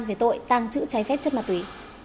về tội tăng trữ cháy phép chất mạc túy